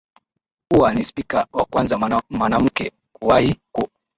uwa ni spika wa kwanza mwanamke kuwahi ku